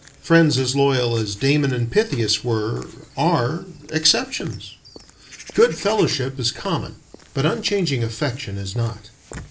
Friends as loyal as Damon and Pythias were, are exceptions. Good fellowship is common, but unchanging affection is not.